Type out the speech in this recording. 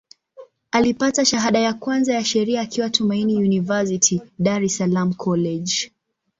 Alipata shahada ya kwanza ya Sheria akiwa Tumaini University, Dar es Salaam College.